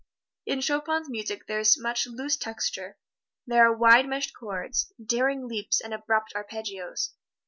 In Chopin's music there is much loose texture; there are wide meshed chords, daring leaps and abrupt arpeggios.